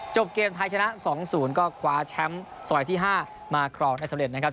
เกมไทยชนะ๒๐ก็คว้าแชมป์สมัยที่๕มาครองได้สำเร็จนะครับ